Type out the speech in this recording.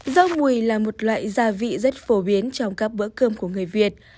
do mùi là một loại gia vị rất phổ biến trong các bữa cơm của người việt